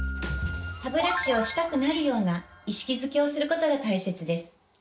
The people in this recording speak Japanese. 歯ブラシをしたくなるような意識づけをすることが大切です。